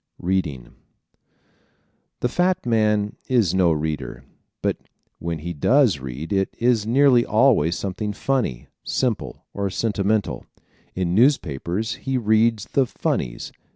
Reading ¶ The fat man is no reader but when he does read it is nearly always something funny, simple or sentimental. In newspapers he reads the "funnies."